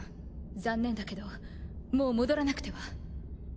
残念だけどもう戻らなくては。